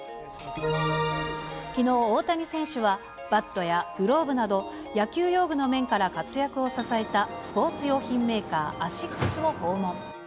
きのう、大谷選手は、バットやグローブなど、野球用具の面から活躍を支えた、スポーツ用品メーカー、アシックスを訪問。